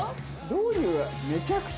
どういう。